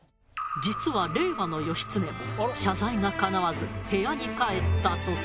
実は令和の義経も謝罪がかなわず部屋に帰った時。